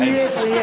え！